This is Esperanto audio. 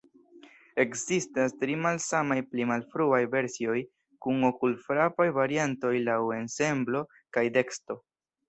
Ekzistas tri malsamaj pli malfruaj versioj kun okulfrapaj variantoj laŭ ensemblo kaj teksto.